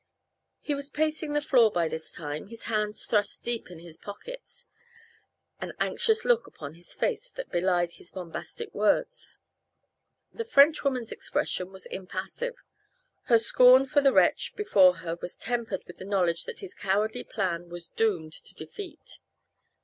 He was pacing the floor by this time, his hands thrust deep in his pockets, an anxious look upon his face that belied his bombastic words. The Frenchwoman's expression was impassive. Her scorn for the wretch before her was tempered with the knowledge that his cowardly plan was doomed to defeat.